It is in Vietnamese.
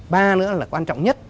ba nữa là quan trọng nhất